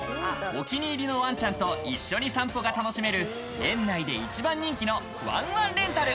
お気に入りのワンちゃんと一緒に散歩が楽しめる、園内で１番人気のわんわんレンタル。